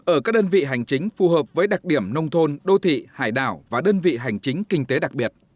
ở các đơn vị hành chính phù hợp với đặc điểm nông thôn đô thị hải đảo và đơn vị hành chính kinh tế đặc biệt